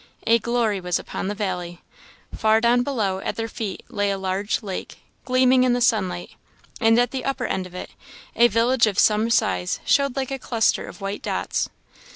A glory was upon the valley. Far down below, at their feet, lay a large lake, gleaming in the sunlight; and at the upper end of it, a village of some size showed like a cluster of white dots.